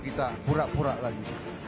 kita pura pura lagi